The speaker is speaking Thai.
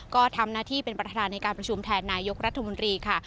ก็ทำหน้าที่เป็นประธานในการประชุมแทนนายกรัฐมนตรีค่ะ